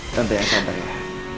tante yang santai ya